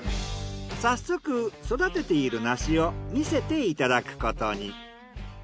早速育てている梨を見せていただくことに。